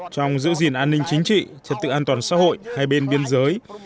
trong giữ gìn an ninh chính trị trật tự an toàn xã hội hai bên biên giới